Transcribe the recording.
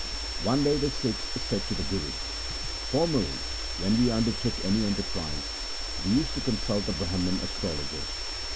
1 One day the Sikhs said to the Guru, ' Formerly, when we undertook any enterprise we used to con sult the Brahman astrologers.